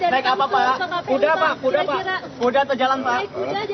naik apa pak kuda pak kuda terjalan pak